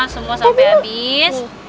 semua sampai habis